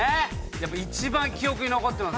やっぱ一番記憶に残ってます